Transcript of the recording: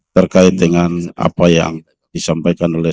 terkait dengan apa yang disampaikan oleh